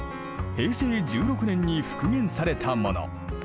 平成１６年に復元されたもの。